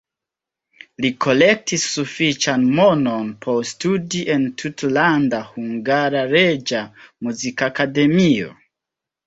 Li kolektis sufiĉan monon por studi en Tutlanda Hungara Reĝa Muzikakademio.